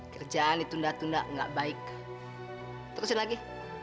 kerjaan ditunda tunda nggak baik terusin lagi